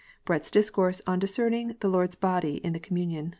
Bretfs Discourse on discerning the Lord s Body in the Communion.